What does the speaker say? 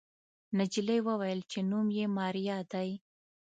نجلۍ وويل چې نوم يې ماريا دی.